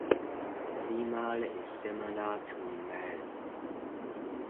Female is similar to male.